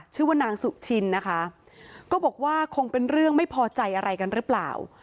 ชื่อว่านางสุชินนะคะก็บอกว่าคงเป็นเรื่องไม่พอใจอะไรกันหรือเปล่า